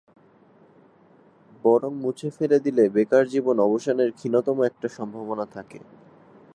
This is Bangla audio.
বরং মুছে ফেলে দিলে বেকার জীবন অবসানের ক্ষীণতম একটা সম্ভাবনা থাকে।